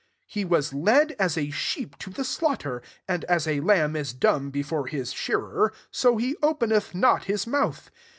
^^ He was led as a sheep to the slaughter ; and, as a lamb is dumb before his shearer, so he openeth not his mouth.